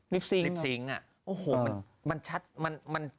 ลิฟซิงค์ลิฟซิงค์อ่ะโอ้โหมันชัดมันมัน